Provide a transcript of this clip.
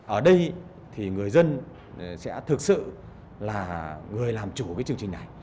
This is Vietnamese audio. ở đây thì người dân sẽ thực sự là người làm chủ cái chương trình này